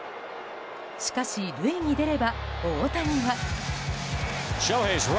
しかし、塁に出れば大谷は。